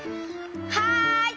はい！